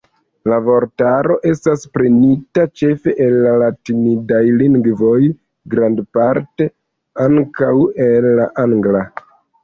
La vortaro estas prenita ĉefe el la latinidaj lingvoj, grandparte ankaŭ el la angla.